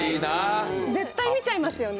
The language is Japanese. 絶対見ちゃいますよね。